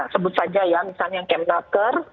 sebut saja ya misalnya kemnaker